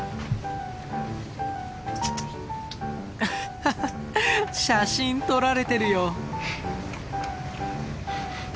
ハハッ写真撮られてるよ。